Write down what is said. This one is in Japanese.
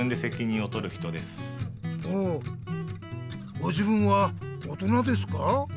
ご自分は大人ですか？